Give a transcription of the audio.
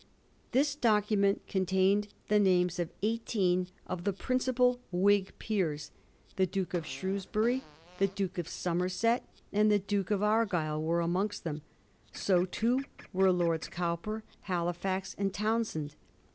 This document con tained the names of eighteen of the principal Whig peers ; the Duke of Shrewsbury, the Duke of Somer set, and the Duke of Argyll were amongst them ; so, too, were Lords Cowper, Halifax, and Townshend.